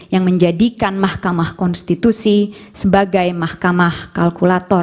yang menjadikan mahkamah konstitusi sebagai mahkamah kalkulator